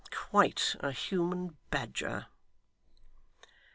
Quite a human badger!